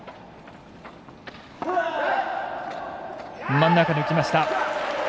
真ん中、抜きました！